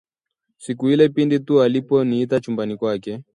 siku ile pindi tu alipo niita chumbani kwake